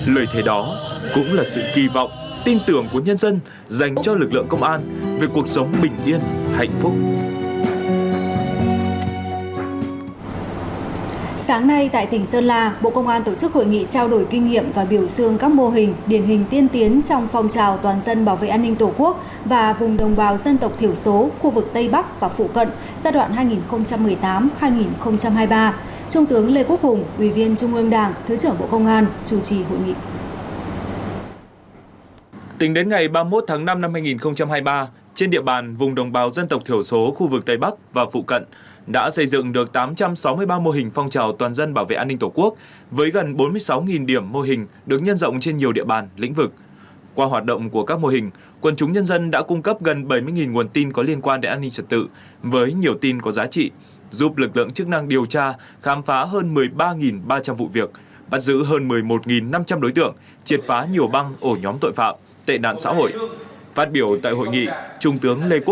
lời thề đó cũng là sự kỳ vọng tin tưởng của nhân dân dành cho lực lượng công an về cuộc sống bình yên hạnh phúc